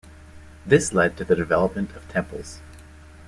This led to the development of temples.